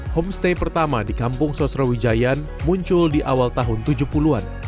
homestay pertama di kampung sosrawijayan muncul di awal tahun tujuh puluh an